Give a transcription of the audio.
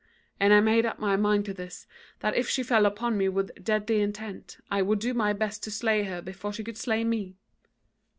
And I made up my mind to this, that if she fell upon me with deadly intent I would do my best to slay her before she should slay me.